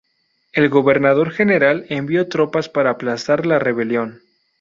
El gobernador general envió tropas para aplastar la rebelión.